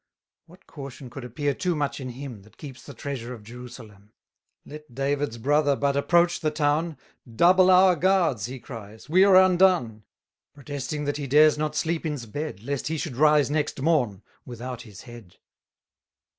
What caution could appear too much in him That keeps the treasure of Jerusalem! Let David's brother but approach the town, Double our guards, he cries, we are undone. Protesting that he dares not sleep in 's bed Lest he should rise next morn without his head.